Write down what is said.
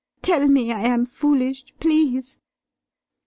Tell me I am foolish, please."